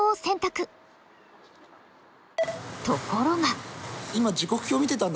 ところが。